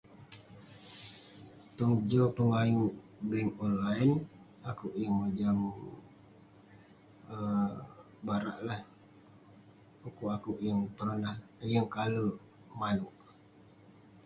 Tong joh pengayuk bank online, akouk yeng mojam um barak lah..pu'kuk akouk yeng peronah ,yeng kalek manouk..